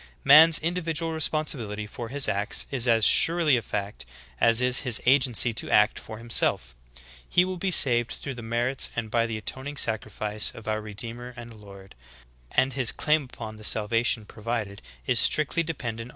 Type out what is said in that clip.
Man's individual respon sibility for his acts is as surely a fact as is his agency to act for himself. He will be saved through the merits and by the atoning sacrifice of our Redeemer and Lord; and his ^As cited by Mosheim; see "Eccl. Hist./' Cent.